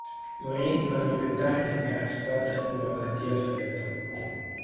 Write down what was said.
Morì due anni più tardi a Karlsbad di una malattia al fegato.